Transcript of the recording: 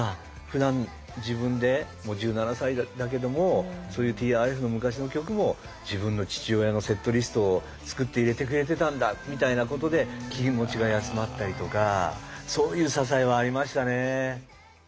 ふだん自分でもう１７歳だけどもそういうＴＲＦの昔の曲も自分の父親のセットリストを作って入れてくれてたんだみたいなことで気持ちが休まったりとかそういう支えはありましたね。